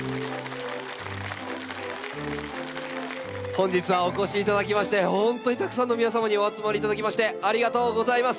本日はお越しいただきまして本当にたくさんの皆様にお集まりいただきましてありがとうございます。